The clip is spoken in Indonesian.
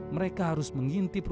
mereka harus mengintip ruangnya